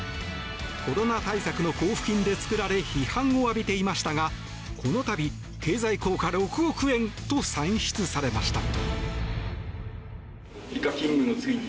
コロナ対策の交付金で作られ批判を浴びていましたがこの度、経済効果６億円と算出されました。